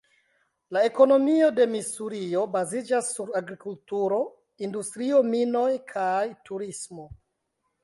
La ekonomio de Misurio baziĝas sur agrikulturo, industrio, minoj kaj turismo.